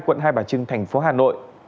quận hai bà trưng thành phố hà nội